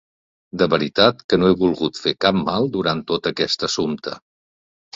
De veritat que no he volgut fer cap mal durant tot aquest assumpte.